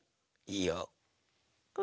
いいよ。